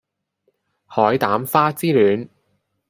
海膽花之戀